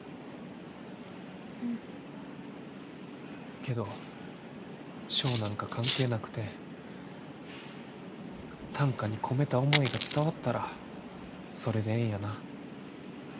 けど賞なんか関係なくて短歌に込めた思いが伝わったらそれでええんやな。